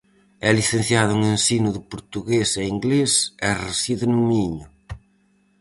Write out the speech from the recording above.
É licenciado en ensino de portugués e inglés e reside no Miño.